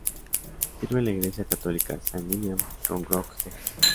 Sirve en la Iglesia Católica Saint William, Round Rock, Texas.